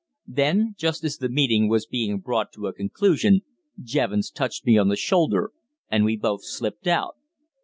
Then, just as the meeting was being brought to a conclusion, Jevons touched me on the shoulder, and we both slipped out.